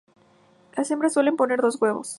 Las hembras suelen poner dos huevos.